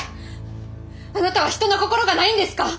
あなたは人の心がないんですか！？